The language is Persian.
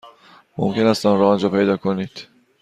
ممکن است آن را آنجا پیدا کنید.